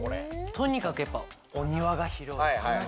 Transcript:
とにかく、やっぱお庭が広い！